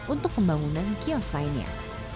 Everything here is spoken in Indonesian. untuk pembangunan kios lainnya